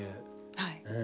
はい。